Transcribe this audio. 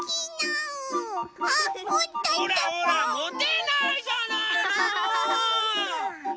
ほらほらもてないじゃないの！